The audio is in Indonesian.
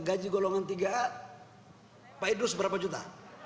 gaji golongan tiga a pak idrus berapa juta